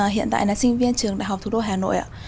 hiện tại là sinh viên trường đại học thủ đô hà nội ạ